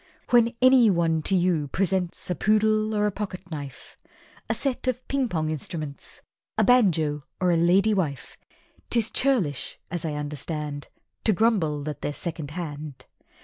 When anyone to you presents A poodle, or a pocketknife, A set of Ping pong instruments, A banjo or a Lady wife, 'Tis churlish, as I understand, To grumble that they're second hand.